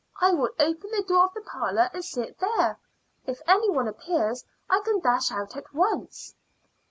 "I will open the door of the parlor and sit there. If any one appears I can dash out at once."